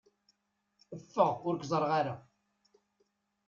Ffeɣ ur k-ẓerreɣ ara!